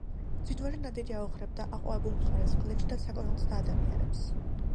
მძვინვარე ნადირი აოხრებდა აყვავებულ მხარეს, გლეჯდა საქონელს და ადამიანებს.